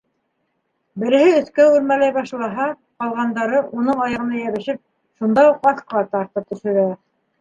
Береһе өҫкә үрмәләй башлаһа, ҡалғандары, уның аяғына йәбешеп, шунда уҡ аҫҡа тартып төшөрә.